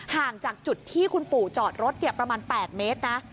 ห่างจากจุดที่คุณปู่จอดรถประมาณ๘เมตรนะ